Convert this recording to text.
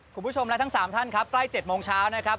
คุณผู้ชมและทั้ง๓ท่านครับใกล้๗โมงเช้านะครับ